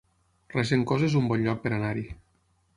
Regencós es un bon lloc per anar-hi